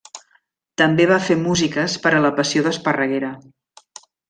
També va fer músiques per a La Passió d'Esparreguera.